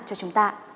cho chúng ta